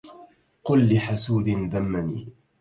قل لحسود ذمني